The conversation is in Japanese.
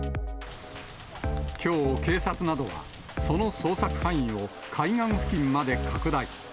きょう、警察などは、その捜索範囲を海岸付近まで拡大。